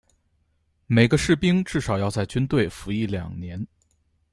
每个士兵至少要在军队服役两年。